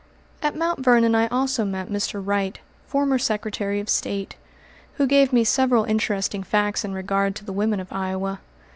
At Mt. Vernon I also met Mr. Wright, former Secretary of State, who gave me several interesting facts in regard to the women of Iowa.